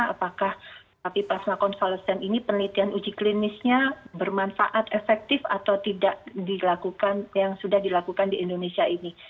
apakah tapi plasma konvalesen ini penelitian uji klinisnya bermanfaat efektif atau tidak dilakukan yang sudah dilakukan di indonesia ini